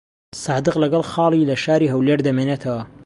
سادق لەگەڵ خاڵی لە شاری هەولێر دەمێنێتەوە.